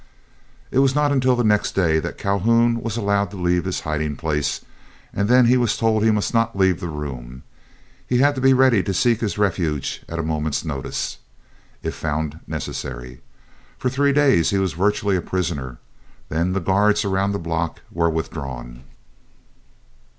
It was not until the next day that Calhoun was allowed to leave his hiding place, and then he was told he must not leave the room. He had to be ready to seek his refuge at a moment's notice, if found necessary. For three days he was virtually a prisoner, then the guards around the block were withdrawn.